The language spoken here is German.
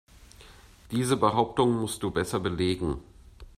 Diese Behauptung musst du besser belegen.